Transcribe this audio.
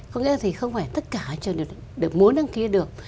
có nghĩa là không phải tất cả trường đạo đều muốn đăng ký được